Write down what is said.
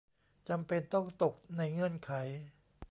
จำเป็นต้องตกในเงื่อนไข